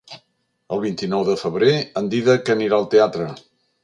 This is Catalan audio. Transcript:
El vint-i-nou de febrer en Dídac anirà al teatre.